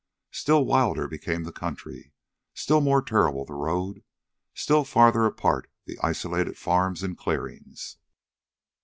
Still wilder became the country, still more terrible the road, still farther apart the isolated farms and clearings.